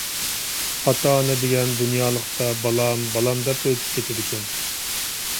ئاتا-ئانا دېگەن دۇنيالىقتا بالام، بالام دەپلا ئۆتۈپ كېتىدىكەن.